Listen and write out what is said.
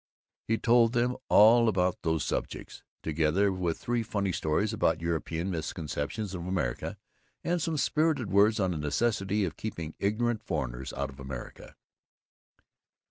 He told them all about those subjects, together with three funny stories about European misconceptions of America and some spirited words on the necessity of keeping ignorant foreigners out of America.